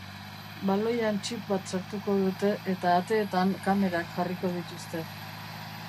Baloian txip bat sartuko dute eta ateetan kamerak jarriko dituzte.